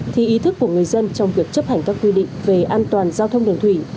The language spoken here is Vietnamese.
thì ý thức của người dân trong việc chấp hành các quy định về an toàn giao thông đường thủy